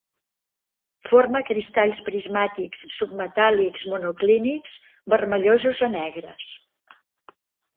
Forma cristalls prismàtics submetàl·lics monoclínics vermellosos a negres.